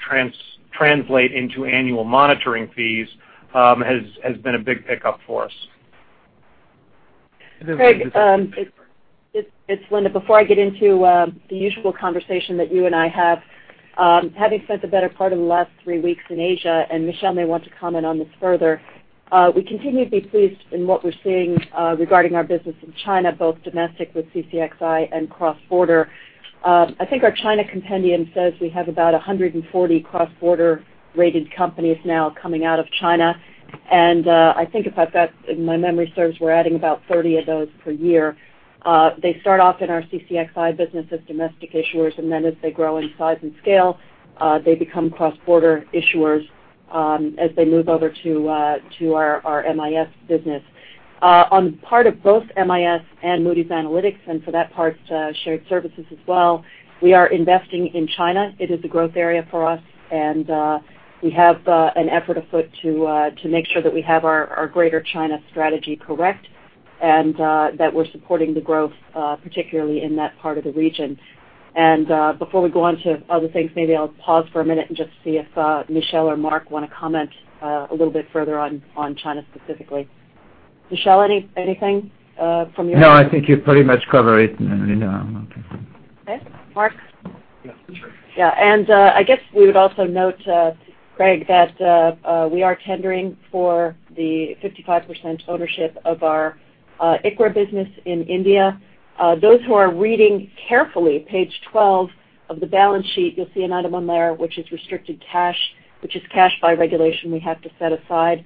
translate into annual monitoring fees has been a big pickup for us. Craig, it's Linda. Before I get into the usual conversation that you and I have. Having spent the better part of the last three weeks in Asia, and Michel may want to comment on this further, we continue to be pleased in what we're seeing regarding our business in China, both domestic with CCXI and cross-border. I think our China compendium says we have about 140 cross-border rated companies now coming out of China. I think if my memory serves, we're adding about 30 of those per year. They start off in our CCXI business as domestic issuers, and then as they grow in size and scale, they become cross-border issuers as they move over to our MIS business. On the part of both MIS and Moody's Analytics, and for that part, Shared Services as well, we are investing in China. It is a growth area for us. We have an effort afoot to make sure that we have our greater China strategy correct, and that we're supporting the growth, particularly in that part of the region. Before we go on to other things, maybe I'll pause for a minute and just see if Michel or Mark want to comment a little bit further on China specifically. Michel, anything from your end? No, I think you pretty much covered it, Linda. Okay. Mark? Yes. Sure. I guess we would also note, Craig, that we are tendering for the 55% ownership of our ICRA business in India. Those who are reading carefully page 12 of the balance sheet, you'll see an item on there which is restricted cash, which is cash by regulation we have to set aside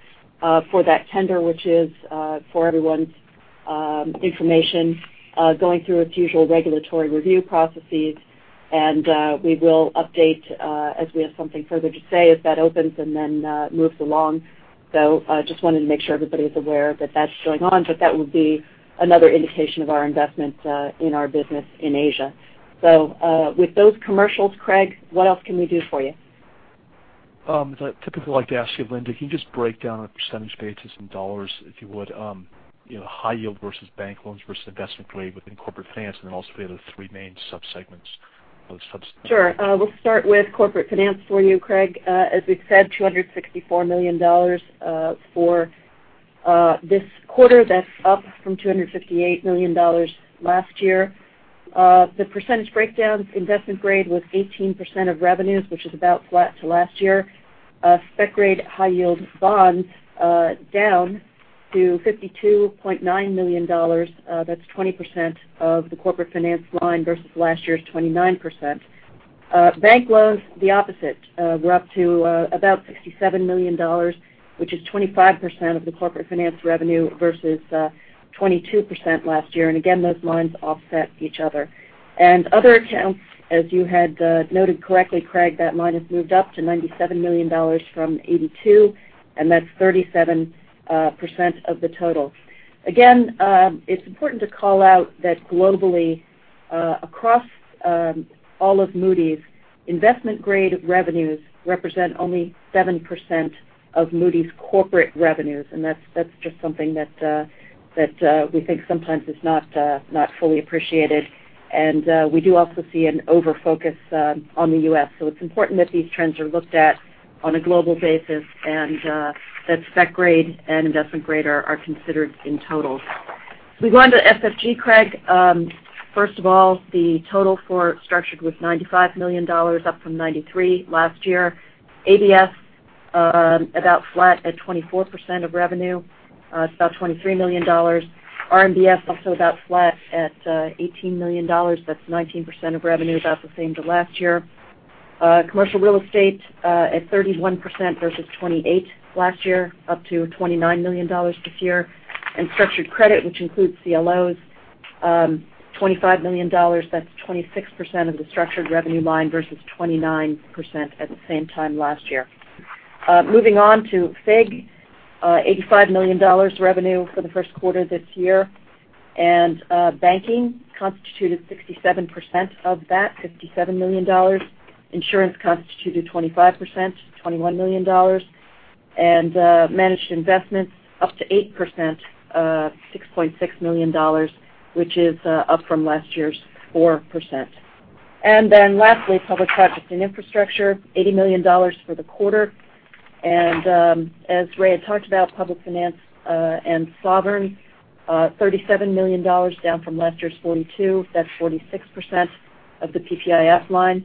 for that tender, which is, for everyone's information, going through its usual regulatory review processes. We will update as we have something further to say as that opens and then moves along. Just wanted to make sure everybody is aware that that's going on, but that would be another indication of our investment in our business in Asia. With those commercials, Craig, what else can we do for you? I typically like to ask you, Linda, can you just break down a percentage basis in U.S. dollars, if you would, high yield versus bank loans versus investment grade within corporate finance, and then also the other three main subsegments? Sure. We'll start with corporate finance for you, Craig. As we've said, $264 million for this quarter. That's up from $258 million last year. The percentage breakdown investment grade was 18% of revenues, which is about flat to last year. Spec grade high yield bonds down to $52.9 million. That's 20% of the corporate finance line versus last year's 29%. Bank loans, the opposite. We're up to about $67 million, which is 25% of the corporate finance revenue versus 22% last year. Again, those lines offset each other. Other accounts, as you had noted correctly, Craig, that line has moved up to $97 million from $82 million, and that's 37% of the total. Again, it's important to call out that globally, across all of Moody's, investment-grade revenues represent only 7% of Moody's corporate revenues. That's just something that we think sometimes is not fully appreciated. We do also see an over-focus on the U.S. It's important that these trends are looked at on a global basis, and that spec grade and investment grade are considered in total. If we go on to SFG, Craig, first of all, the total for structured was $95 million, up from $93 million last year. ABS, about flat at 24% of revenue. It's about $23 million. RMBS also about flat at $18 million. That's 19% of revenue, about the same to last year. Commercial real estate at 31% versus 28% last year, up to $29 million this year. Structured credit, which includes CLOs, $25 million. That's 26% of the structured revenue line versus 29% at the same time last year. Moving on to FIG, $85 million revenue for the first quarter this year, banking constituted 67% of that, $57 million. Insurance constituted 25%, $21 million. Managed investment up to 8%, $6.6 million, which is up from last year's 4%. Lastly, public projects and infrastructure, $80 million for the quarter. As Ray had talked about, public finance and sovereign, $37 million, down from last year's $42 million. That's 46% of the PPIF line.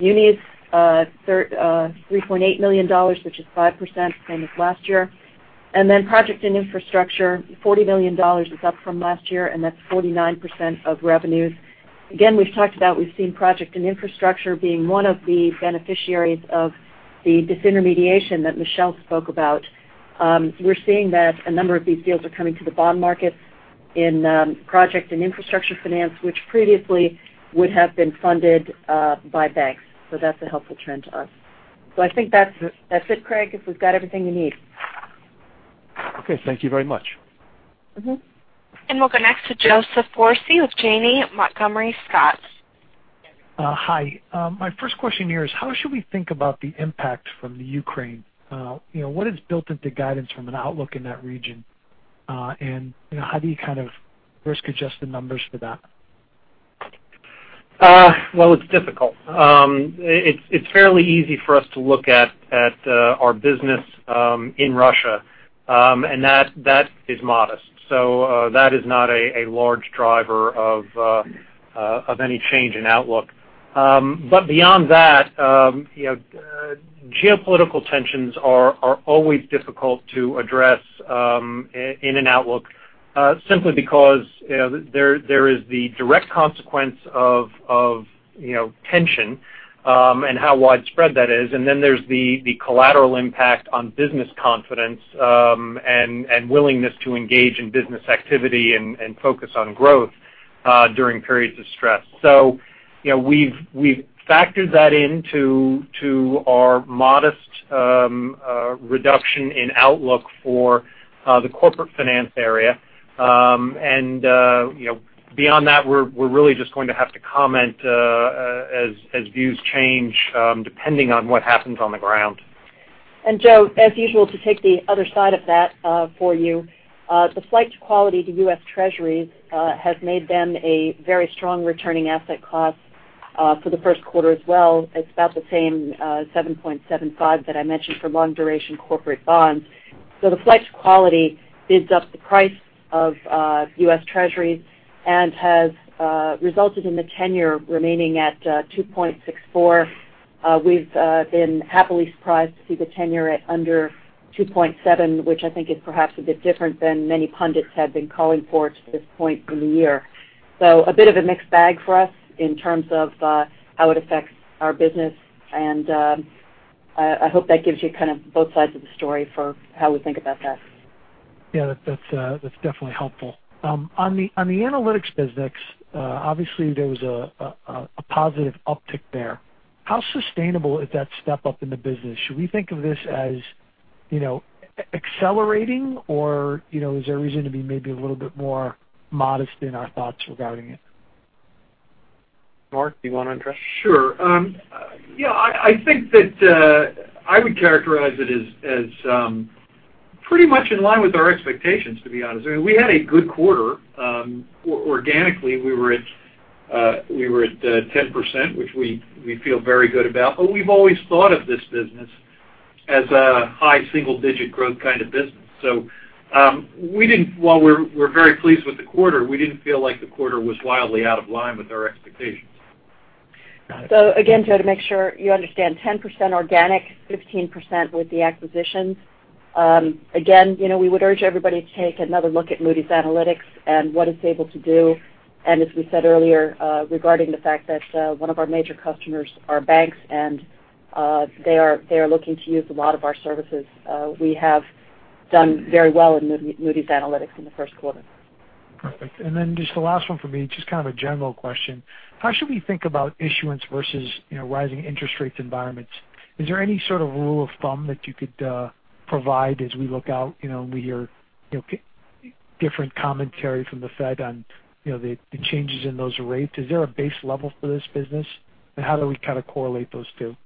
Munis, $3.8 million, which is 5%, same as last year. Project and infrastructure, $40 million is up from last year, and that's 49% of revenues. Again, we've talked about we've seen project and infrastructure being one of the beneficiaries of the disintermediation that Michel spoke about. We're seeing that a number of these deals are coming to the bond market in project and infrastructure finance, which previously would have been funded by banks. That's a helpful trend to us. I think that's it, Craig, if we've got everything you need. Okay. Thank you very much. We'll go next to Joseph Foresi with Janney Montgomery Scott. Hi. My first question here is how should we think about the impact from the Ukraine? What is built into guidance from an outlook in that region? How do you kind of risk-adjust the numbers for that? Well, it's difficult. It's fairly easy for us to look at our business in Russia, and that is modest. That is not a large driver of any change in outlook. Beyond that, geopolitical tensions are always difficult to address in an outlook, simply because there is the direct consequence of tension, and how widespread that is, and then there's the collateral impact on business confidence, and willingness to engage in business activity and focus on growth during periods of stress. We've factored that into our modest reduction in outlook for the corporate finance area. Beyond that, we're really just going to have to comment as views change, depending on what happens on the ground. Joe, as usual, to take the other side of that for you, the flight to quality to U.S. Treasuries has made them a very strong returning asset class for the first quarter as well. It's about the same 7.75% that I mentioned for long-duration corporate bonds. The flight to quality bids up the price of U.S. Treasuries and has resulted in the tenor remaining at 2.64%. We've been happily surprised to see the tenor at under 2.7%, which I think is perhaps a bit different than many pundits had been calling for to this point in the year. A bit of a mixed bag for us in terms of how it affects our business. I hope that gives you both sides of the story for how we think about that. Yeah, that's definitely helpful. On the analytics business, obviously there was a positive uptick there. How sustainable is that step-up in the business? Should we think of this as accelerating, or is there a reason to be maybe a little bit more modest in our thoughts regarding it? Mark, do you want to address? Sure. I think that I would characterize it as pretty much in line with our expectations, to be honest. I mean, we had a good quarter. Organically, we were at 10%, which we feel very good about, but we've always thought of this business as a high single-digit growth kind of business. While we're very pleased with the quarter, we didn't feel like the quarter was wildly out of line with our expectations. Again, Joe, to make sure you understand, 10% organic, 15% with the acquisitions. Again, we would urge everybody to take another look at Moody's Analytics and what it's able to do. As we said earlier, regarding the fact that one of our major customers are banks, and they are looking to use a lot of our services. We have done very well in Moody's Analytics in the first quarter. Perfect. Just the last one from me, just kind of a general question. How should we think about issuance versus rising interest rates environments? Is there any sort of rule of thumb that you could provide as we look out, and we hear different commentary from the Fed on the changes in those rates? Is there a base level for this business? How do we kind of correlate those two?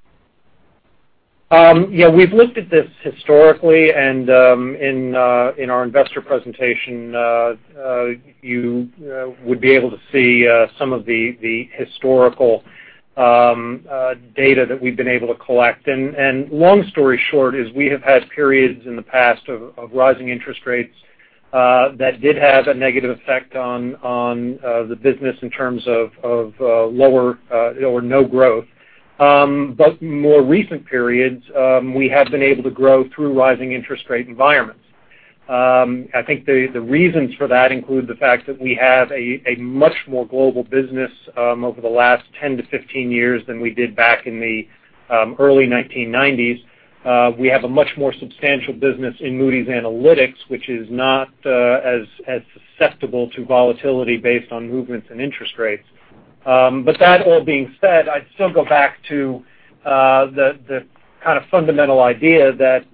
We've looked at this historically, in our investor presentation, you would be able to see some of the historical data that we've been able to collect. Long story short is we have had periods in the past of rising interest rates that did have a negative effect on the business in terms of lower or no growth. More recent periods, we have been able to grow through rising interest rate environments. I think the reasons for that include the fact that we have a much more global business over the last 10 to 15 years than we did back in the early 1990s. We have a much more substantial business in Moody's Analytics, which is not as susceptible to volatility based on movements in interest rates. That all being said, I'd still go back to the kind of fundamental idea that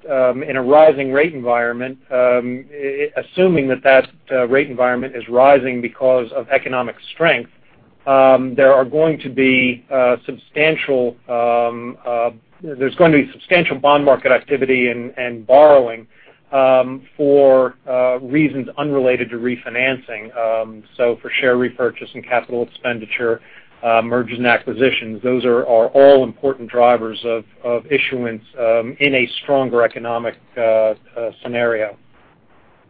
in a rising rate environment, assuming that rate environment is rising because of economic strength, there's going to be substantial bond market activity and borrowing for reasons unrelated to refinancing. For share repurchase and capital expenditure, mergers and acquisitions, those are all important drivers of issuance in a stronger economic scenario.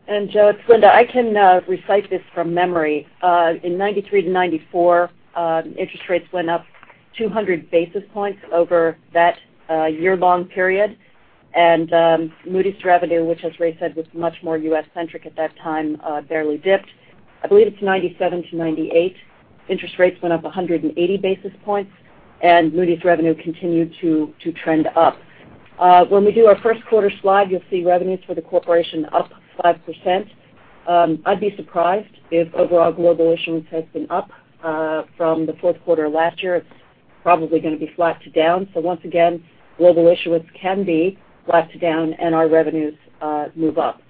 Joe, it's Linda. I can recite this from memory. In 1993 to 1994, interest rates went up 200 basis points over that year-long period. Moody's revenue, which, as Ray said, was much more U.S.-centric at that time, barely dipped. I believe it's 1997 to 1998. Interest rates went up 180 basis points, Moody's revenue continued to trend up. When we do our first quarter slide, you'll see revenues for the corporation up 5%. I'd be surprised if overall global issuance has been up from the fourth quarter of last year. It's probably going to be flat to down. Once again, global issuance can be flat to down and our revenues move up.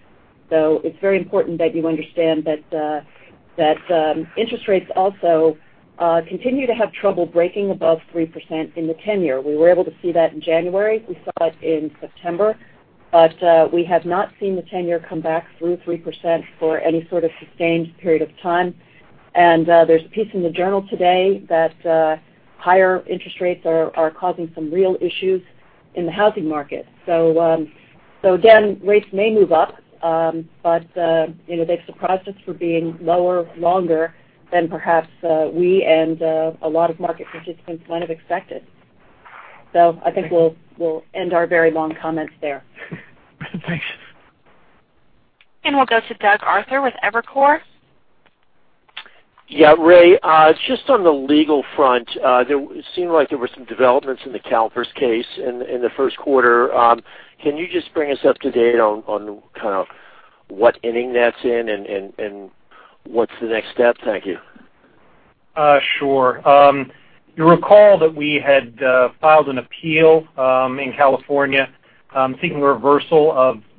It's very important that you understand that interest rates also continue to have trouble breaking above 3% in the 10-year. We were able to see that in January. We saw it in September. We have not seen the 10-year come back through 3% for any sort of sustained period of time. There's a piece in the journal today that higher interest rates are causing some real issues in the housing market. Again, rates may move up, but they've surprised us for being lower longer than perhaps we and a lot of market participants might have expected. I think we'll end our very long comments there. Thanks. We'll go to Doug Arthur with Evercore. Yeah, Ray, just on the legal front, it seemed like there were some developments in the CalPERS case in the first quarter. Can you just bring us up to date on what inning that's in and what's the next step? Thank you. Sure. You recall that we had filed an appeal in California, seeking reversal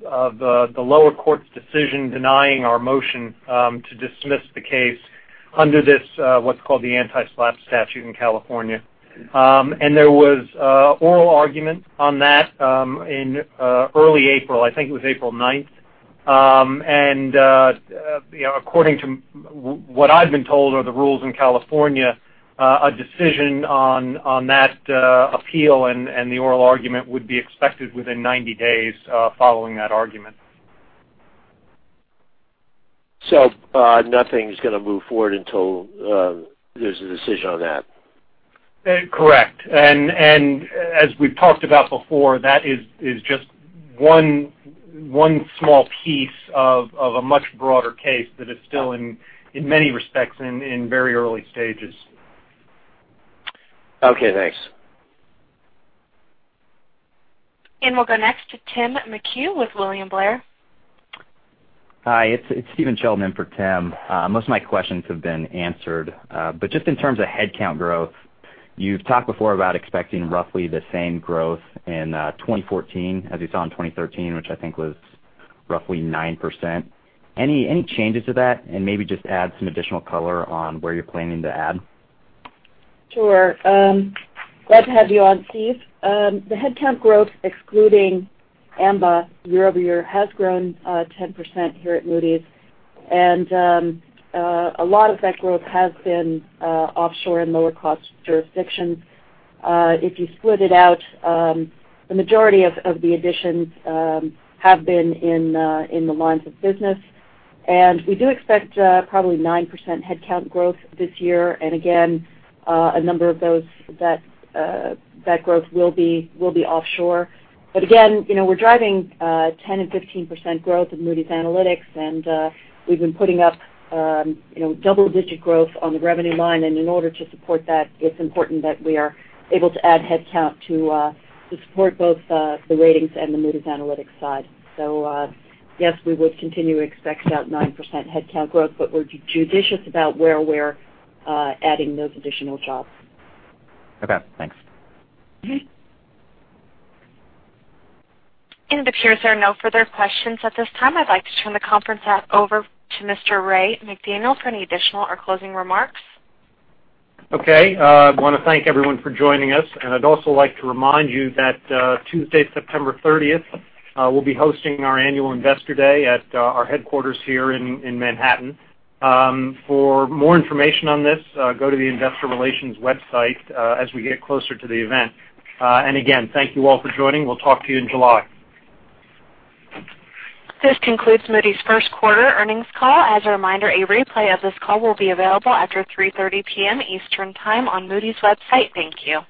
of the lower court's decision denying our motion to dismiss the case under what's called the anti-SLAPP statute in California. There was oral argument on that in early April, I think it was April 9th. According to what I've been told are the rules in California, a decision on that appeal and the oral argument would be expected within 90 days following that argument. Nothing's going to move forward until there's a decision on that. Correct. As we've talked about before, that is just one small piece of a much broader case that is still in many respects, in very early stages. Okay, thanks. We'll go next to Tim McHugh with William Blair. Hi, it's Stephen Sheldon in for Tim. Most of my questions have been answered. Just in terms of headcount growth, you've talked before about expecting roughly the same growth in 2014 as you saw in 2013, which I think was roughly 9%. Any changes to that? Maybe just add some additional color on where you're planning to add. Sure. Glad to have you on, Stephen. The headcount growth, excluding Amba year-over-year, has grown 10% here at Moody's, and a lot of that growth has been offshore in lower cost jurisdictions. If you split it out, the majority of the additions have been in the lines of business. We do expect probably 9% headcount growth this year. Again, a number of that growth will be offshore. Again, we're driving 10% and 15% growth in Moody's Analytics, and we've been putting up double-digit growth on the revenue line. In order to support that, it's important that we are able to add headcount to support both the ratings and the Moody's Analytics side. Yes, we would continue to expect about 9% headcount growth, but we're judicious about where we're adding those additional jobs. Okay, thanks. It appears there are no further questions at this time. I'd like to turn the conference back over to Mr. Raymond McDaniel for any additional or closing remarks. Okay. I want to thank everyone for joining us, and I'd also like to remind you that Tuesday, September 30th, we'll be hosting our annual Investor Day at our headquarters here in Manhattan. For more information on this, go to the investor relations website as we get closer to the event. Again, thank you all for joining. We'll talk to you in July. This concludes Moody's first quarter earnings call. As a reminder, a replay of this call will be available after 3:30 P.M. Eastern Time on Moody's website. Thank you.